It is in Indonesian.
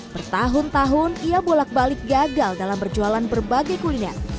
bertahun tahun ia bolak balik gagal dalam berjualan berbagai kuliner